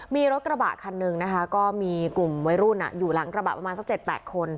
มีรถกระบะคันหนึ่งนะคะก็มีกลุ่มวัยรุ่นอยู่หลังกระบะประมาณสัก๗๘คน